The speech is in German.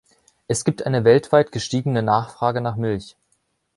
Es gibt eine weltweit gestiegene Nachfrage nach Milch.